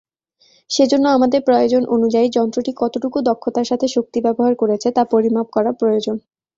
সেজন্য আমাদের প্রয়োজন অনুযায়ী যন্ত্রটি কতটুকু দক্ষতার সাথে শক্তি ব্যবহার করেছে তা পরিমাপ করা প্রয়োজন।